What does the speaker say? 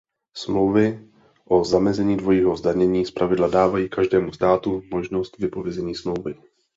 Smlouvy o zamezení dvojího zdanění zpravidla dávají každému státu možnost vypovězení smlouvy.